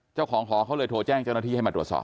เจ้าของหอเขาเลยโทรแจ้งเจ้าหน้าที่ให้มาตรวจสอบ